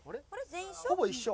ほぼ一緒？